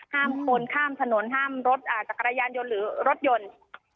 ห้ามคนข้ามถนนห้ามรถจักรยานยนต์หรือรถยนต์